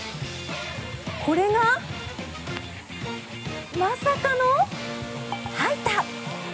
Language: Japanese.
これが、まさかの入った。